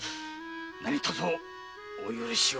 なにとぞお許しを。